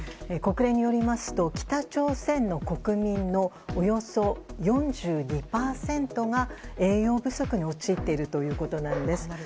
国連によりますと北朝鮮の国民のおよそ４２％が栄養不足に陥っているということです。